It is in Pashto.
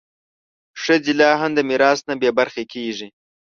ښځې لا هم د میراث نه بې برخې کېږي.